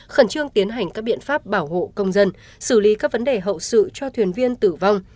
khẩn trương tiến hành các biện pháp bảo hộ công dân xử lý các vấn đề hậu sự cho thuyền viên tử vong